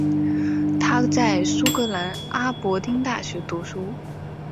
他在苏格兰阿伯丁大学读书。